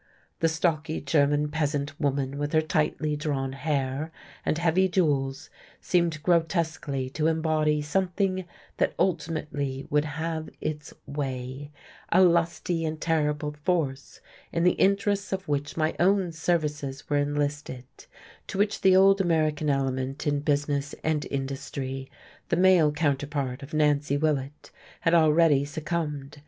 The stocky German peasant woman with her tightly drawn hair and heavy jewels seemed grotesquely to embody something that ultimately would have its way, a lusty and terrible force in the interests of which my own services were enlisted; to which the old American element in business and industry, the male counterpart of Nancy Willett, had already succumbed.